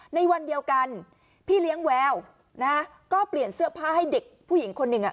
ในวันเดียวกันพี่เลี้ยงแววนะฮะก็เปลี่ยนเสื้อผ้าให้เด็กผู้หญิงคนหนึ่ง